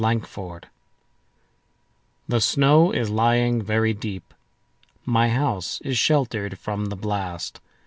Convention THE SNOW is lying very deep.My house is sheltered from the blast.